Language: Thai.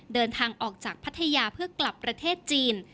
เดินทางออกจากพัทยาเพื่อกลับประเทศจีน